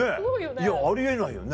いやあり得ないよね。